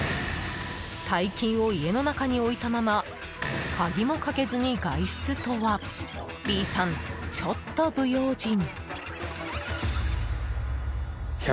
大金を家の中に置いたまま鍵もかけずに外出とはＢさん、ちょっと不用心。